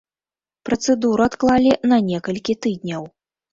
Працэдуру адклалі на некалькі тыдняў.